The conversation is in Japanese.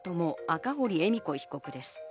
・赤堀恵美子被告です。